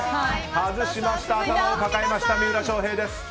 外しました、頭を抱えました三浦翔平です。